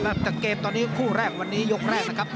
จากเกมตอนนี้คู่แรกวันนี้ยกแรกนะครับ